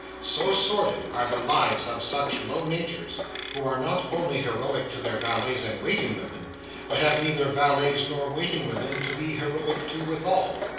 So sordid are the lives of such low natures, who are not only not heroic to their valets and waiting women, but have neither valets nor waiting women to be heroic to withal!